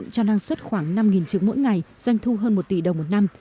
cho năng suất khoảng năm trứng mỗi ngày doanh thu hơn một tỷ đồng một năm